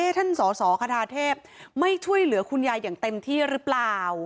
ท่านสสคทาเทพไม่ช่วยเหลือคุณยายอย่างเต็มที่หรือเปล่า